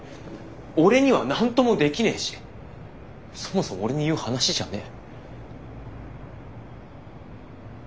俺には何ともできねえしそもそも俺に言う話じゃねえ。